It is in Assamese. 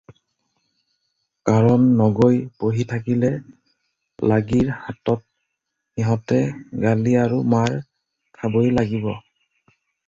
কাৰণ নগৈ বহি থাকিলে লাগীৰ হাতত সিহঁতে গালি আৰু মাৰ খাবই লাগিব।